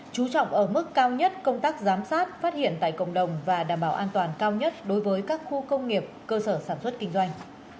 chú trọng ở mức cao nhất công tác giám sát phát hiện tại cộng đồng và đảm bảo an toàn cao nhất đối với các khu công nghiệp cơ sở sản xuất kinh doanh